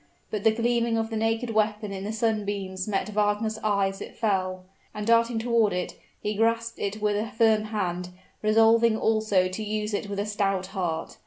But the gleaming of the naked weapon in the sunbeams met Wagner's eyes as it fell, and darting toward it, he grasped it with a firm hand resolving also to use it with a stout heart.